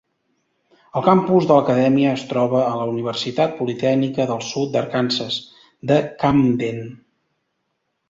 El campus de l'acadèmia es troba a la Universitat Politècnica del Sud d'Arkansas de Camden.